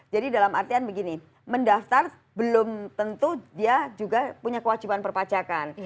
jadi dalam artian begini mendaftar belum tentu dia juga punya kewajiban perpacakan